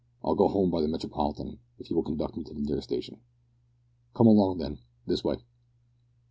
I'll go home by the Metropolitan, if you will conduct me to the nearest station." "Come along, then. This way."